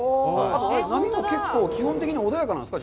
波も結構基本的には穏やかなんですか。